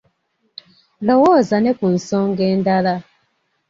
Lowooza ne ku nsonga endala.